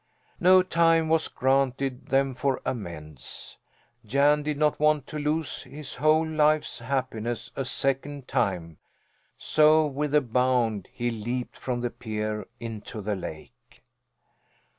No time was granted them for amends. Jan did not want to lose his whole life's happiness a second time, so with a bound he leaped from the pier into the lake.